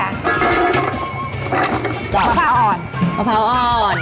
ภาพะอ่อน